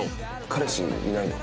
彼氏いないの？